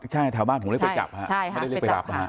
ใช่ชาวบ้านผมเรียกไปจับฮะไม่ได้เรียกไปรับนะฮะ